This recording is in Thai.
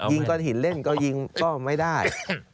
ก้อนหินเล่นก็ยิงก็ไม่ได้